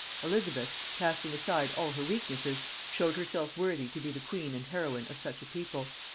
Elizabeth, casting aside all her weaknesses, showed herself worthy to be the queen and heroine of such a people.